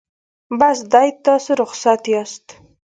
بس دی تاسو رخصت یاست.